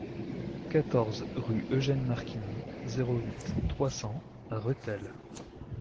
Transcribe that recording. quatorze rue Eugène Marquigny, zéro huit, trois cents à Rethel